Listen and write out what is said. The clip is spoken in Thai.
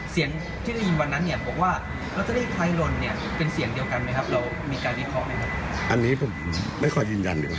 เสียงที่ได้ยินวันนั้นบอกว่าเราจะได้ใครลนเป็นเสียงเดียวกันไหมครับเรามีการพิเคราะห์ไหมครับ